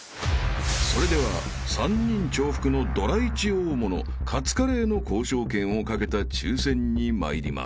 ［それでは３人重複のドラ１大物カツカレーの交渉権を懸けた抽選に参ります］